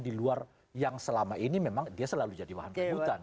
di luar yang selama ini memang dia selalu jadi bahan rebutan